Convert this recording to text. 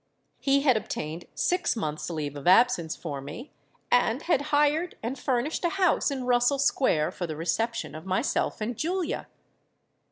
He had obtained six months' leave of absence for me, and had hired and furnished a house in Russell Square for the reception of myself and Julia.